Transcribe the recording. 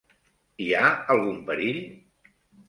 Hi ha algun perill?